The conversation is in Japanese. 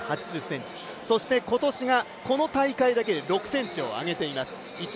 そして今年がこの大会だけで６ｃｍを上げています。